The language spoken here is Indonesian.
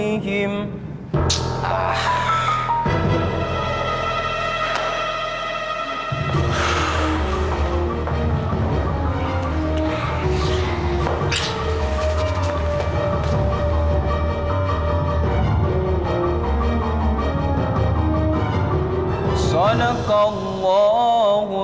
ini harus kah